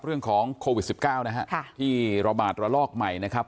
เรื่องของโควิด๑๙นะฮะที่ระบาดระลอกใหม่นะครับ